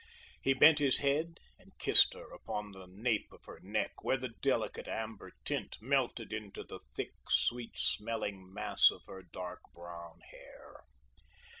He bent his head and kissed her upon the nape of her neck, where the delicate amber tint melted into the thick, sweet smelling mass of her dark brown hair.